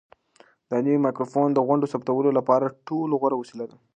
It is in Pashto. دا نوی مایکروفون د غونډو د ثبتولو لپاره تر ټولو غوره وسیله ده.